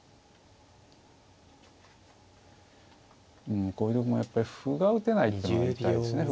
うんこういう時もやっぱり歩が打てないってのが痛いですね。